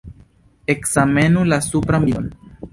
Ekzamenu la supran bildon.